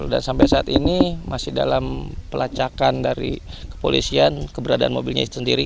dan sampai saat ini masih dalam pelacakan dari kepolisian keberadaan mobilnya sendiri